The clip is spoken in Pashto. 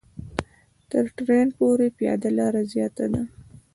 تر ټرېن پورې پیاده لاره زیاته ده.